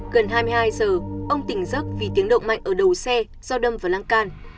gần hai mươi hai giờ ông tỉnh dắc vì tiếng động mạnh ở đầu xe do đâm vào lăng can